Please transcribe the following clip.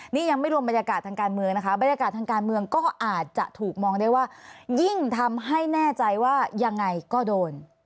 นี่ยังไม่รวมบรรยากาศทางการเมืองนะคะบรรยากาศทางการเมืองก็อาจจะถูกมองได้ว่ายิ่งทำให้แน่ใจว่ายังไงก็โดน